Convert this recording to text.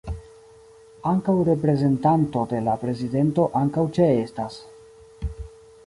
Ankaŭ reprezentanto de la prezidento ankaŭ ĉeestas.